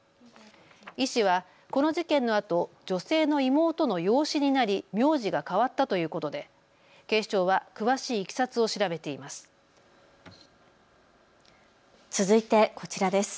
医師はこの事件のあと女性の妹の養子になり名字が変わったということで警視庁は詳しいいきさつを調べています。